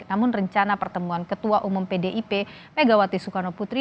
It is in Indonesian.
namun rencana pertemuan ketua umum pdip megawati soekarno putri